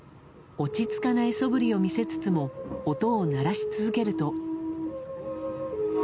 落ち着かないそぶりを見せつつも音を鳴らし続けると。